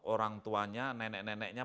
orang tuanya nenek neneknya